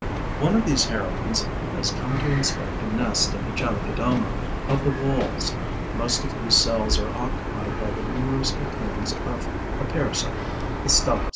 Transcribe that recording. One of these heroines has come to inspect a nest of the Chalicodoma of the Walls, most of whose cells are occupied by the numerous cocoons of a parasite, the Stelis.